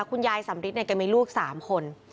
แล้วคุณยายสำริดก็ไม่ลูก๓คน